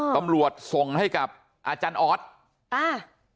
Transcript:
ตำรวจส่งให้กับอาจารย์ออสอ่า